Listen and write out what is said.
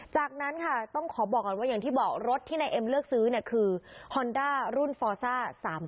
จากนั้นค่ะต้องขอบอกก่อนว่าอย่างที่บอกรถที่นายเอ็มเลือกซื้อเนี่ยคือฮอนด้ารุ่นฟอซ่า๓๐